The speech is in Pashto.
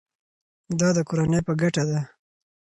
دا د کورنۍ په ګټه ده.